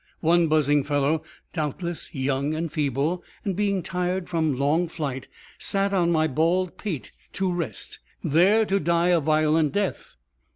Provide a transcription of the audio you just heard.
One buzzing fellow, doubtless young and feeble, and being tired from long flight, sat on my bald pate to rest, there to die a violent death.